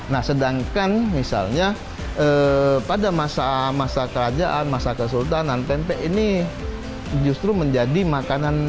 nah sedangkan misalnya pada masa masa kerajaan masa kesultanan pempek ini justru menjadi makanan